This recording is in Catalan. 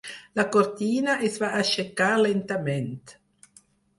La cortina es va aixecar lentament.